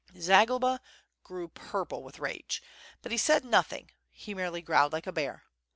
Zagloba grew purple with rage, but he said nothing he merely growled like a bear.